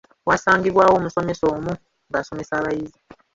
Waasangibwawo omusomesa omu ng’asomesa abayizi.